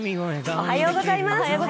おはようございます。